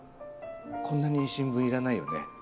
こんなに新聞いらないよね？